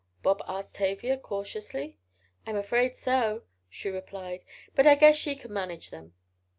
Bob asked Tavia, cautiously. "I'm afraid so," she replied. "But I guess she can manage them."